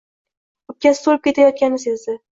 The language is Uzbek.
O‘pkasi to‘lib ketayotganini sezdi